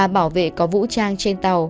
ba bảo vệ có vũ trang trên tàu